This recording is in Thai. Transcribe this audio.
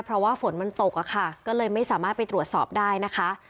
เพราะว่าฝนมันตกอะค่ะก็เลยไม่สามารถไปตรวจสอบได้นะคะ